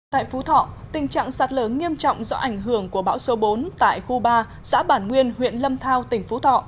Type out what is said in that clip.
tại phú thọ tình trạng sạt lở nghiêm trọng do ảnh hưởng của bão số bốn tại khu ba xã bản nguyên huyện lâm thao tỉnh phú thọ